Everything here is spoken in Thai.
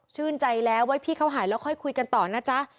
ใจแล้วว่าพี่เขาหายแล้วค่อยคุยกันต่อนะจ๊ะ